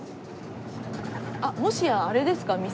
あっもしやあれですか？